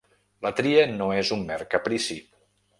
La tria no és un mer caprici.